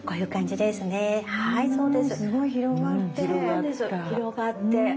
うんすごい広がって。